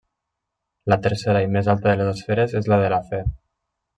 La tercera i més alta de les esferes és la de la fe.